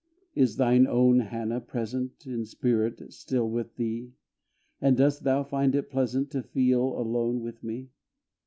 Is thine own Hannah present, In spirit, still with thee? And dost thou find it pleasant To feel alone with me?